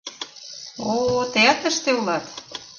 — О-о, тыят тыште улат?!